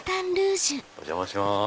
お邪魔します。